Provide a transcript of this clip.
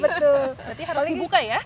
berarti harus dibuka ya